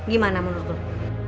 gimana menurut lo